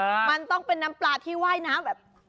มันต้องเป็นน้ำปลาที่ว่ายน้ำแบบ